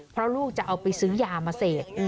เพราะลูกจะเอาไปซื้อยามาเสพ